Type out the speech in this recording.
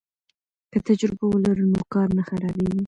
که تجربه ولرو نو کار نه خرابیږي.